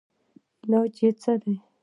علاج ئې څۀ دے